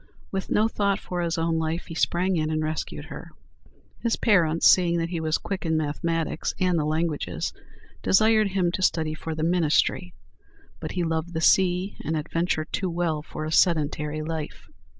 With no thought for his own life, he sprang in and rescued her. His parents, seeing that he was quick in mathematics and the languages, desired him to study for the ministry; but he loved the sea and adventure too well for a sedentary life.